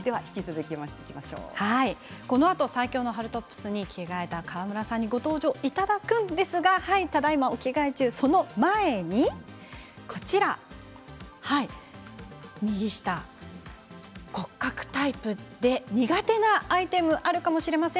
このあと最強の春トップスに着替えた川村さんにご登場いただくんですがただいまお着替え中、その前に骨格タイプで苦手なアイテムがあるかもしれません。